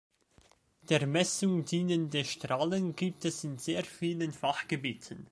Der Messung dienende Strahlen gibt es in sehr vielen Fachgebieten.